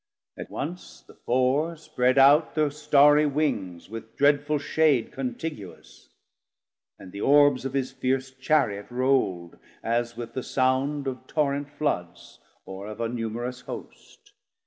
At once the Four spred out thir Starrie wings With dreadful shade contiguous, and the Orbes Of his fierce Chariot rowld, as with the sound Of torrent Floods, or of a numerous Host.